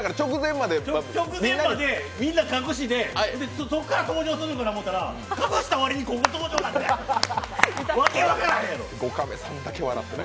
直前までみんなちゃんとしててそこから登場するのかなと思ったら、隠した割にここ登場ってなって訳分からんやろ！